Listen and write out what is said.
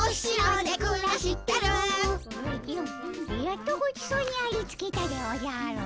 おじゃやっとごちそうにありつけたでおじゃる。